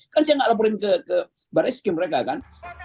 kan saya nggak laporin ke baris krim mereka kan